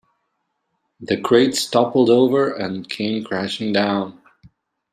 The crates toppled over and came crashing down.